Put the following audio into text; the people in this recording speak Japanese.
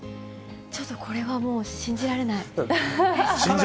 ちょっとこれはもう信じられない。